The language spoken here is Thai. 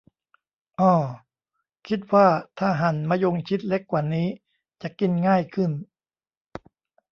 อ้อ คิดว่าถ้าหั่นมะยงชิดเล็กกว่านี้จะกินง่ายขึ้น